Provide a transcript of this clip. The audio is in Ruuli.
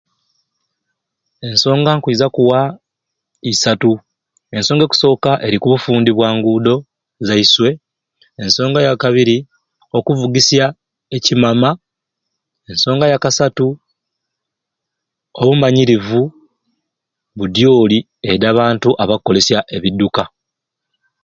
Ensonga nkwiiza kuwa isatu, ensonga ekusooka eri ku bufundi bwa nguudo zaiswe, ensonga yakabiri okuvugisya ekimama, ensonga yakasaku obumanyirivu budyooli edi abantu abakolesya ebiduka